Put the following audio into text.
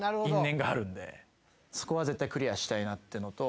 そこは絶対クリアしたいなってのと。